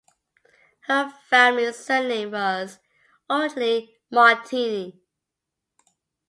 Her family's surname was originally Martini.